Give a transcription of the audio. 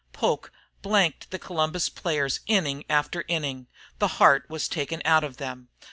Poke blanked the Columbus players inning after inning. The heart was taken out of them.